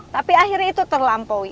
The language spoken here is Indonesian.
tapi akhirnya itu terlampaui